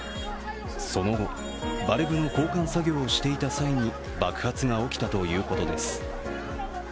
その後、バルブの交換作業をしていた際に爆発が起きたということです。